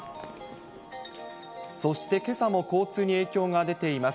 そしてけさも交通に影響が出ています。